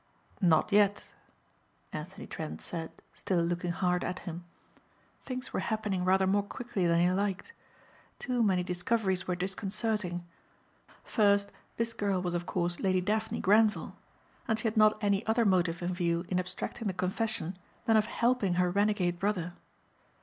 "Not yet," Anthony Trent said still looking hard at him. Things were happening rather more quickly than he liked. Too many discoveries were disconcerting. First this girl was of course Lady Daphne Grenvil. And she had not any other motive in view in abstracting the confession than of helping her renegade brother.